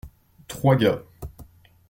Trois gars.